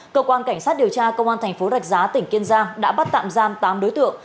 cơ quan cảnh sát điều tra công an thành phố rạch giá tỉnh kiên giang đã bắt tạm giam tám đối tượng